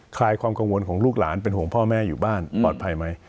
ลายความกังวลของลูกหลานเป็นห่วงพ่อแม่อยู่บ้านปลอดภัยไหม